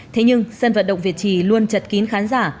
thế nhưng sân vận động việt trì luôn chật kín khán giả